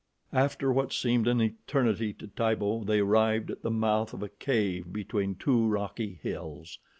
After what seemed an eternity to Tibo, they arrived at the mouth of a cave between two rocky hills.